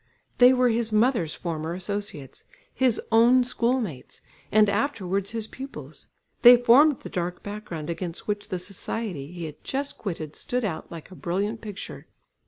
They were his mother's former associates, his own school mates and afterwards his pupils; they formed the dark background against which the society he had just quitted, stood out like a brilliant picture.